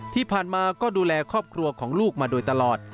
ที่ผ่านมาก็ดูแลครอบครัวของลูกมาโดยตลอด